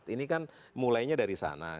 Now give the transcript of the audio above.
ini kan mulainya dari sana